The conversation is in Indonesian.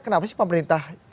kenapa sih pemerintah